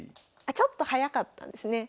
ちょっと早かったですね。